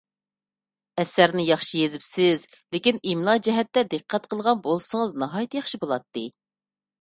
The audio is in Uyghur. ئەسەرنى ياخشى يېزىپسىز، لېكىن ئىملا جەھەتتە دىققەت قىلغان بولسىڭىز ناھايىتى ياخشى بولاتتى.